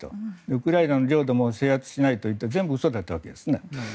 ウクライナの領土も制圧しないと全部嘘だったわけですね。